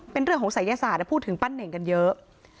เป็นเรื่องของศัยศาสตร์พูดถึงปั้นเน่งกันเยอะ